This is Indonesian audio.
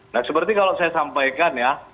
nah seperti kalau saya sampaikan ya